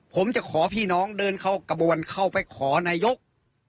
ผมจะขอพี่น้องเดินเข้ากระบวนเข้าไปขอนายก